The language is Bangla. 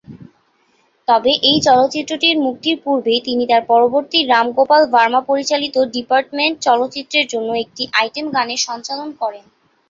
তবে এই চলচ্চিত্রটির মুক্তির পূর্বেই তিনি তার পরবর্তী রাম গোপাল ভার্মা পরিচালিত "ডিপার্টমেন্ট" চলচ্চিত্রের জন্য একটি আইটেম গানে সঞ্চালন করেন।